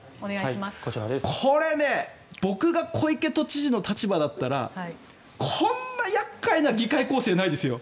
これ、僕が小池都知事の立場だったらこんな厄介な議会構成ないですよ。